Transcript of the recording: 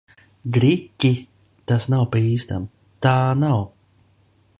Gri-ķi! Tas nav pa īstam! Tā nav!